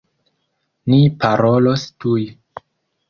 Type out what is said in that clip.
Ni parolos tuj!